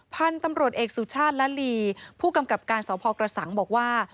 พันธุ์ตำรวจเอกสุชาติละลีผู้กำกับการสพกระสังบอกว่า